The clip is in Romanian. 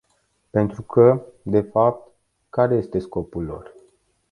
Pentru că, de fapt, care este scopul lor?